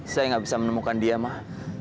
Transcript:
saya nggak bisa menemukan dia mah